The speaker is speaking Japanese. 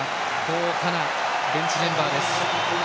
豪華なベンチメンバーです。